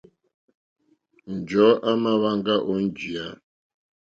Njɔ̀ɔ́ à mà hwáŋgá ó njìyá.